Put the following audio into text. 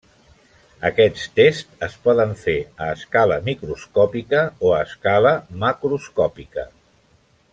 Aquests tests es poden fer a escala microscòpica o a escala macroscòpica.